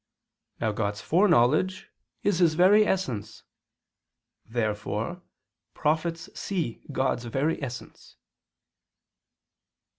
Now God's foreknowledge is His very essence. Therefore prophets see God's very essence.